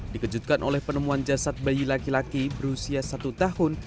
dikejutkan oleh penemuan jasad bayi laki laki berusia satu tahun